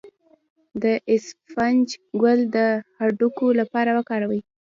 د اسفناج ګل د هډوکو لپاره وکاروئ